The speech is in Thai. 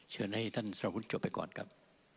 เชิญให้ท่านสรวุฒิจบไปก่อนครับ